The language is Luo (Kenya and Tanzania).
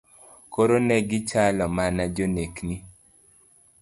Koro negi chalo mana jonekni.